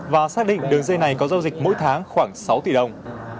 và xác định đường dây này có giao dịch mỗi tháng khoảng sáu tỷ đồng